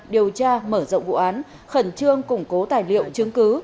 điều tra mở rộng vụ án khẩn trương củng cố tài liệu chứng cứ